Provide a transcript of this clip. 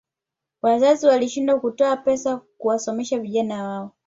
wazazi walishindwa kutoa pesa kuwasomesha vijana wao